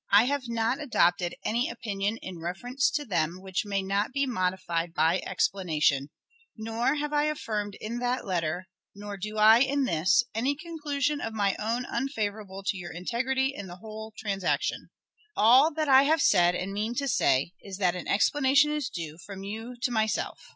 I have not adopted any opinion in reference to them which may not be modified by explanation; nor have I affirmed in that letter, nor do I in this, any conclusion of my own unfavorable to your integrity in the whole transaction. All that I have said and mean to say is, that an explanation is due from you to myself.